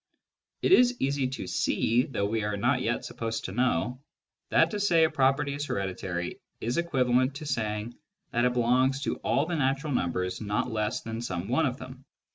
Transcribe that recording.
It is easy to see, though we are not yet supposed to know, that to say a property is hereditary is equivalent to saying that it belongs to all the natural numbers not less than some one of them, e.